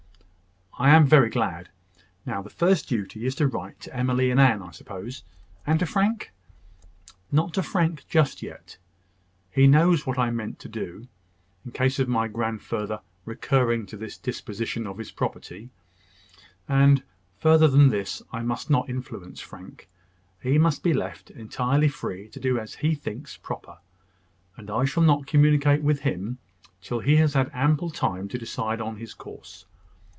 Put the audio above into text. "I am very glad. Now, the first duty is to write to Emily and Anne, I suppose: and to Frank?" "Not to Frank just yet. He knows what I meant to do, in case of my grandfather recurring to this disposition of his property; and, further than this, I must not influence Frank. He must be left entirely free to do as he thinks proper, and I shall not communicate with him till he has had ample time to decide on his course.